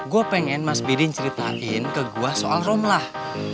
gue pengen mas bidin ceritain ke gua soal romlah